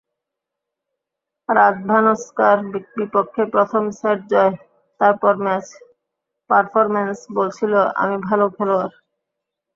রাদভানস্কার বিপক্ষে প্রথম সেট জয়, তারপর ম্যাচ—পারফরম্যান্স বলছিল আমি ভালো খেলোয়াড়।